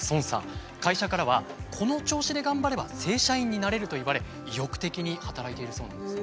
会社からはこの調子で頑張れば正社員になれると言われ意欲的に働いているそうなんです。